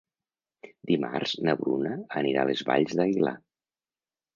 Dimarts na Bruna anirà a les Valls d'Aguilar.